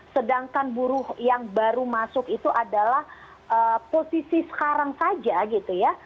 sedangkan buruh yang baru masuk itu adalah posisi sekarang saja gitu ya